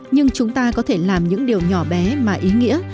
nhưng chúng ta có thể làm những điều nhỏ bé mà ý nghĩa